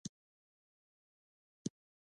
آزاد تجارت مهم دی ځکه چې ژبې زدکړه هڅوي.